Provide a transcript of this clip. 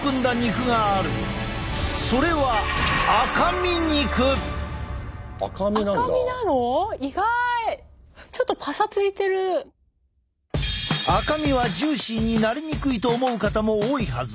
それは赤身はジューシーになりにくいと思う方も多いはず。